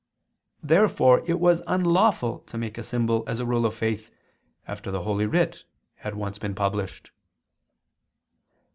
Therefore it was unlawful to make a symbol as a rule of faith, after the Holy Writ had once been published.